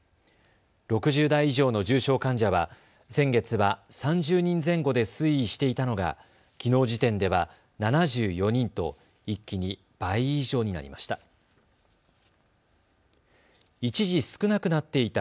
６０代以上の重症患者は先月は３０人前後で推移していたのがきのう時点では７４人と一気に倍以上になりました。